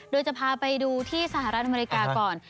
โดยจะพาไปดูที่สหรัฐอเมริกาก่อน